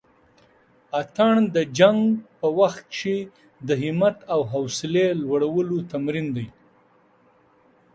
اتڼ د جنګ په وخت کښې د همت او حوصلې لوړلو تمرين دی.